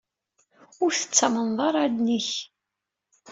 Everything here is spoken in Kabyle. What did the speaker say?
Ur tettamneḍ ara allen-ik.